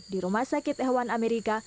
di rumah sakit hewan amerika